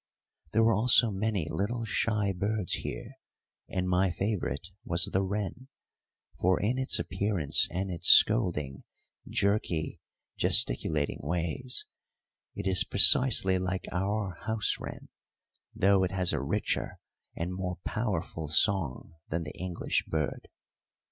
There were also many little shy birds here, and my favourite was the wren, for in its appearance and its scolding, jerky, gesticulating ways it is precisely like our house wren, though it has a richer and more powerful song than the English bird.